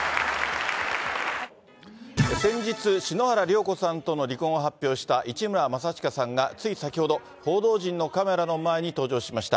先日、篠原涼子さんとの離婚を発表した市村正親さんがつい先ほど、報道陣のカメラの前に登場しました。